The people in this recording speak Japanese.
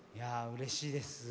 うれしいです。